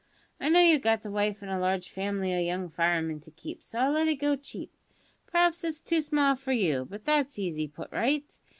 I know you've got a wife an' a large family o' young firemen to keep, so I'll let it go cheap. P'raps it's too small for you; but that's easy put right.